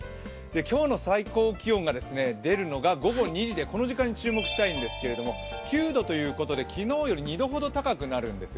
今日の最高気温が出るのが午後２時でこの時間に注目したいんですけど９度ということで昨日より２度ほど高くなるんですよ。